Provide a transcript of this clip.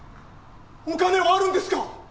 お金はあるんですか！？